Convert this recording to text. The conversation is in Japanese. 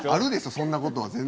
そんなことは全然。